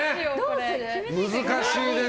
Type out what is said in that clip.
難しいです。